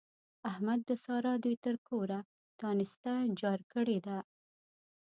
احمد د سارا دوی تر کوره تانسته جار کړې ده.